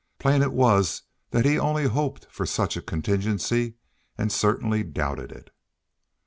Plain it was that he only hoped for such a contingency and certainly doubted it.